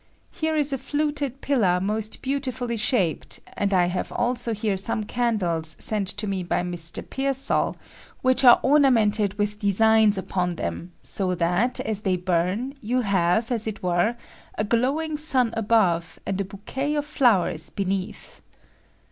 Here is a fluted pillar most beautiftilly shaped; and I have also here some candles sent me by Mr, Pearaall, which are omamenttid with designs upon them, so that, as they bum, you have, as it were, a glowing sun above, and a bouquet of flowers beneath.